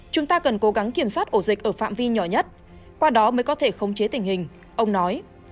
chúng ta cần cố gắng kiểm soát ổ dịch ở phạm vi nhỏ nhất qua đó mới có thể khống chế tình hình ông nói